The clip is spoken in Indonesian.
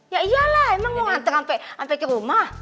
ya iyalah emang mau nganter sampai ke rumah